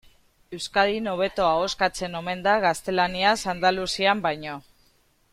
Euskadin hobeto ahoskatzen omen da gaztelaniaz Andaluzian baino.